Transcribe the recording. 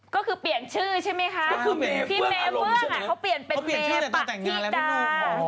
ก็คือเปลี่ยนชื่อใช่ไหมคะพี่เมื้องเขาเปลี่ยนเป็นเมปะทิดา